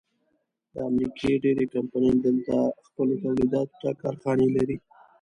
د امریکې ډېرۍ کمپنۍ دلته خپلو تولیداتو ته کارخانې لري.